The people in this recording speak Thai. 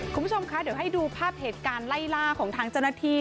คุณผู้ชมคะเดี๋ยวให้ดูภาพเหตุการณ์ไล่ล่าของทางเจ้าหน้าที่